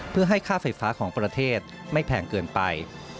เพื่อให้ค่าไฟฟ้าของประเทศไม่แพงเกินไป